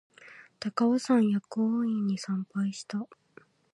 高尾山薬王院に参拝した